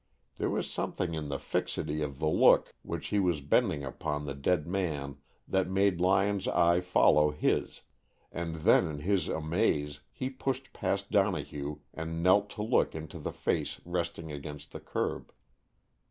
There was something in the fixity of the look which he was bending upon the dead man that made Lyon's eye follow his, and then in his amaze he pushed past Donohue and knelt to look into the face resting against the curb.